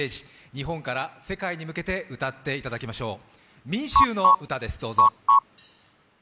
日本から世界に向けて歌っていただきましょう。